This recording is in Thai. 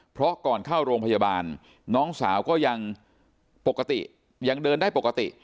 เพราะก่อนเข้าโรงพยาบาลน้องสาวก็ยังปกติยังเดินได้ปกติ